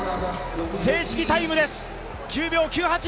正式タイムです、９秒９８！